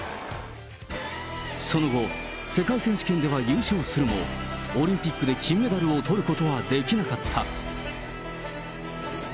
その後、世界選手権では優勝するも、オリンピックで金メダルをとることはできなかった。